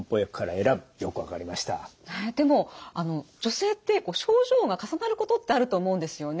でも女性って症状が重なることってあると思うんですよね。